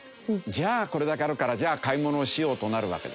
じゃあこれだけあるから買い物をしようとなるわけですね。